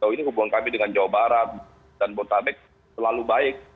ini hubungan kami dengan jawa barat dan botabek selalu baik